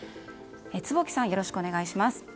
坪木さん、よろしくお願いします。